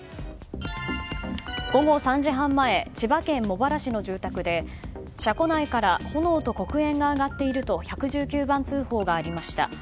午後３時半前千葉県茂原市の住宅で車庫内から炎と黒煙が上がっていると１１９番通報がありました。